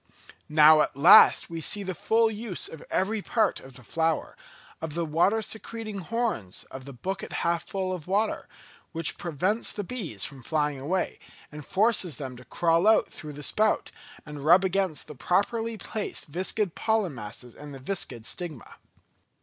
Now at last we see the full use of every part of the flower, of the water secreting horns of the bucket half full of water, which prevents the bees from flying away, and forces them to crawl out through the spout, and rub against the properly placed viscid pollen masses and the viscid stigma.